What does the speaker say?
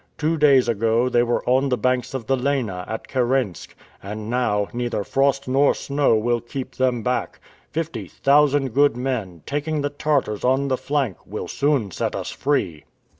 Two days ago, they were on the banks of the Lena, at Kirensk, and now, neither frost nor snow will keep them back. Fifty thousand good men, taking the Tartars on the flank, will soon set us free."